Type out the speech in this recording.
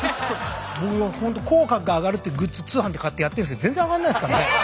僕も口角上がるってグッズ通販で買ってやってるんですけど全然上がんないですからね。